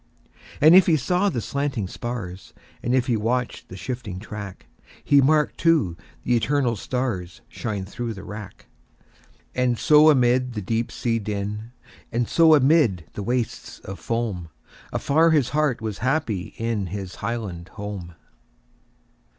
And if he saw the slanting spars, And if he watched the shifting track, He marked, too, the eternal starsShine through the wrack. And so amid the deep sea din, And so amid the wastes of foam, Afar his heart was happy inHis highland home!